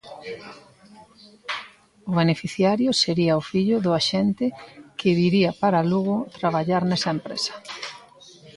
O beneficiario sería o fillo do axente, que "viría para Lugo" traballar nesa empresa.